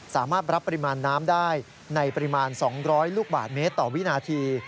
สามารถรับปริมาณน้ำได้ในปริมาณ๒๐๐ลูกบาทเมตรต่อวินาที